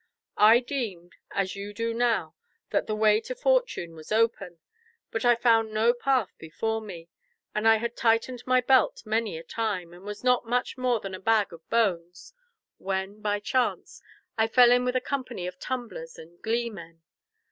I deemed, as you do now, that the way to fortune was open, but I found no path before me, and I had tightened my belt many a time, and was not much more than a bag of bones, when, by chance, I fell in with a company of tumblers and gleemen.